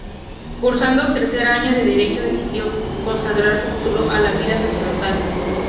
Cursando tercer año de Derecho decidió consagrar su futuro a la vida sacerdotal.